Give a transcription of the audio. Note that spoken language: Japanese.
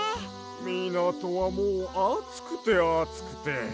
みなとはもうあつくてあつくて。